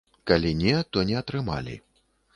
Калі не, то не атрымалі.